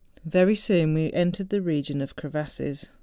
Very soon we entered the region of crevasses.